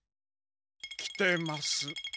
来てます。